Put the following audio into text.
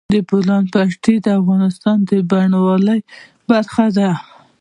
د بولان پټي د افغانستان د بڼوالۍ برخه ده.